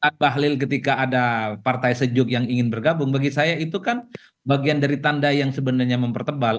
jadi ketika ada partai sejuk yang ingin bergabung bagi saya itu kan bagian dari tanda yang sebenarnya mempertebal